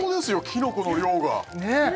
きのこの量が！